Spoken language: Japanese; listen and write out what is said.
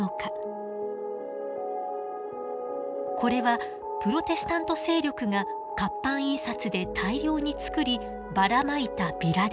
これはプロテスタント勢力が活版印刷で大量に作りばらまいたビラです。